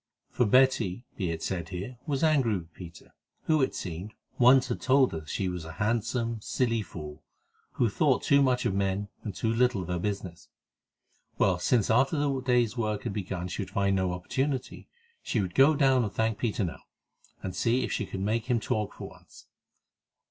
For Betty, be it said here, was angry with Peter, who, it seemed, once had told her that she was a handsome, silly fool, who thought too much of men and too little of her business. Well, since after the day's work had begun she would find no opportunity, she would go down and thank Peter now, and see if she could make him talk for once.